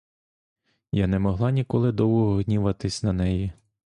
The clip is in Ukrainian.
Я не могла ніколи довго гніватися на неї.